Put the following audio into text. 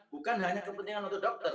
bukan hanya kepentingan untuk dokter